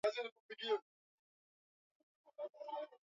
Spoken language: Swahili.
Wakati wa Usiku ngombe mbuzi na kondoo huwekwa katikati ya uwa huo